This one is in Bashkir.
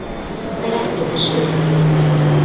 Бәрәсте төшөр...